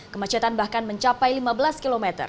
kemacetan bahkan mencapai lima belas km